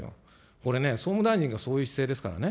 これね、総務大臣がそういう姿勢ですからね。